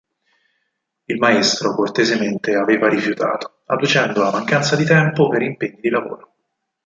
Il maestro cortesemente aveva rifiutato, adducendo la mancanza di tempo per impegni di lavoro.